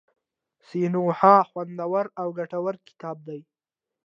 سینوهه خوندور او ګټور کتاب دی.